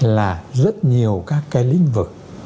là rất nhiều các cái lĩnh vực